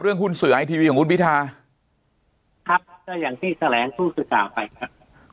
หุ้นเสือไอทีวีของคุณพิธาครับก็อย่างที่แถลงผู้สื่อข่าวไปครับ